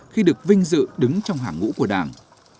khi được vinh dự đứng trong hàng ngũ của đảng